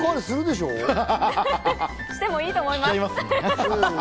してもいいと思います。